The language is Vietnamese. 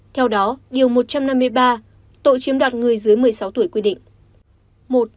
theo đó điều một trăm năm mươi ba tội chiếm đoạt người dưới một mươi sáu tuổi quy định